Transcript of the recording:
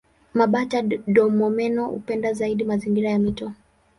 Mabata-domomeno hupenda zaidi mazingira ya mito.